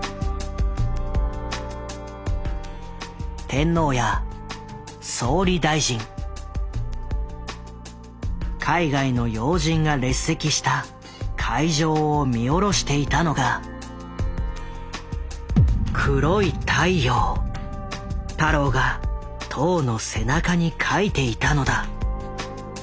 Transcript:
天皇や総理大臣海外の要人が列席した会場を見下ろしていたのが太郎が塔の背中に描いていたのだ。